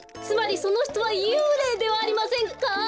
つまりそのひとはゆうれいではありませんか？